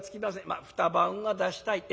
まあ２晩は出したい。